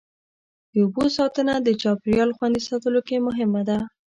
د اوبو ساتنه د چاپېریال خوندي ساتلو کې مهمه ده.